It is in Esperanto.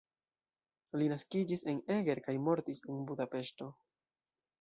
Li naskiĝis en Eger kaj mortis en Budapeŝto.